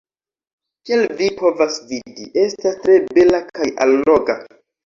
Kiel vi povas vidi, estas tre bela kaj alloga.